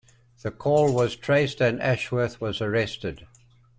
The call was traced and Ashworth was arrested.